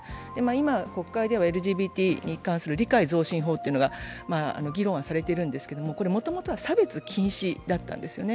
今、国会ではＬＧＢＴに対する理解増進法が議論はされているんですが、もともとは差別禁止だったんですよね。